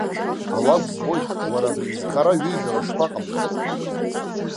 Алакә збоит, уара абри изхара ҩыжәра шԥаҟамло!